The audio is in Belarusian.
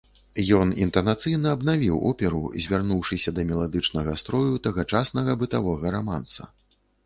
Ён інтанацыйна абнавіў оперу, звярнуўшыся да меладычнага строю тагачаснага бытавога раманса.